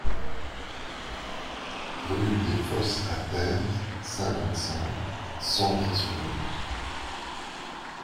Rue des Fosses à Terre, cinquante-cinq, cent Bras-sur-Meuse